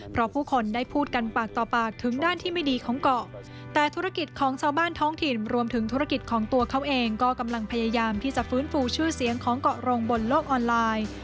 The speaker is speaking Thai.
เพราะผู้คนได้พูดกันปากต่อปากถึงด้านที่ไม่ดีของเกาะแต่ธุรกิจของชาวบ้านท้องถิ่นรวมถึงธุรกิจของตัวเขาเองก็กำลังพยายามที่จะฟื้นฟูชื่อเสียงของเกาะโรงบนโลกออนไลน์